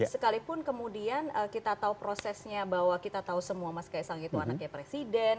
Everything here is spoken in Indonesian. sekalipun kemudian kita tahu prosesnya bahwa kita tahu semua mas kaisang itu anaknya presiden